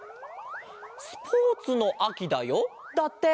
「スポーツのあきだよ」だって。